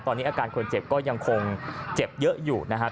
ตอนนี้อาการคนเจ็บก็ยังคงเจ็บเยอะอยู่นะครับ